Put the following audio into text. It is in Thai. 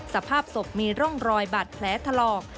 สภาพศพมีร่องรอยบาดแผลถลอก